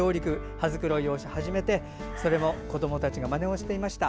羽繕いを始めて、それも子どもがまねをしていました。